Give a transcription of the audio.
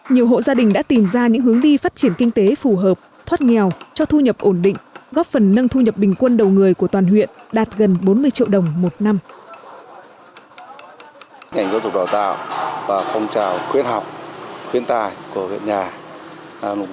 nhiều hộ gia đình đã tìm ra những hướng đi phát triển kinh tế phù hợp thoát nghèo cho thu nhập ổn định góp phần nâng thu nhập bình quân đầu người của toàn huyện đạt gần bốn mươi triệu đồng một năm